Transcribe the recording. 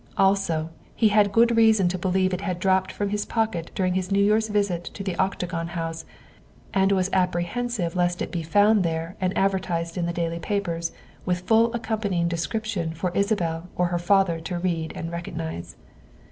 Also, he had good reason to believe it had dropped from his pocket during his New Year's visit to the Oc tagon House, and was apprehensive lest it be found there and advertised in the daily papers, with full accompanying description for Isabel or her father to read and recognize.